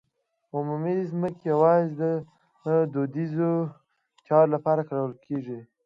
عمومي ځمکې یوازې د دودیزو چارو لپاره کارول کېدې.